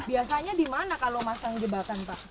biasanya di mana kalau masang jebakan pak